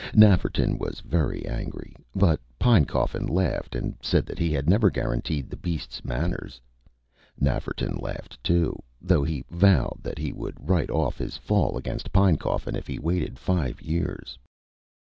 Nafferton was very angry; but Pinecoffin laughed and said that he had never guaranteed the beast's manners. Nafferton laughed, too, though he vowed that he would write off his fall against Pinecoffin if he waited five years.